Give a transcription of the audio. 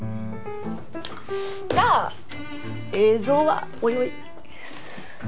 じゃあ映像はおいおい。